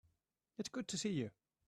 It's good to see you.